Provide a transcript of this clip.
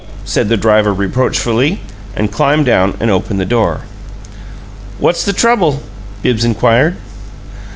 said the driver, reproachfully, and climbed down and opened the door. "What's the trouble?" Bibbs inquired.